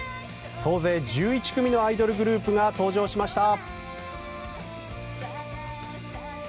総勢１１組のアイドルグループが登場しました。